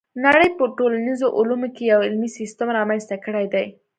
نړۍ په ټولنیزو علومو کې یو علمي سیستم رامنځته کړی دی.